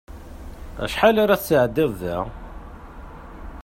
Acḥal ara tesɛeddiḍ da?